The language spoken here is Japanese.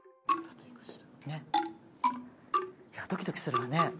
いやドキドキするわね。